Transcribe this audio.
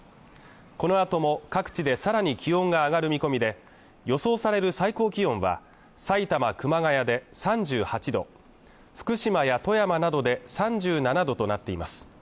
このあとも各地でさらに気温が上がる見込みで予想される最高気温は埼玉熊谷で３８度福島や富山などで３７度となっています